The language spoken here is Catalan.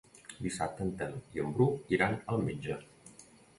Dissabte en Telm i en Bru iran al metge.